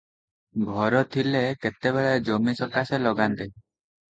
ଘର ଥିଲେ କେତେବେଳେ ଜମି ସକାଶେ ଲଗାନ୍ତେ ।